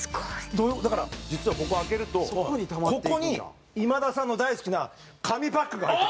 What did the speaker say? だから実はここを開けるとここに今田さんの大好きな紙パックが入ってます。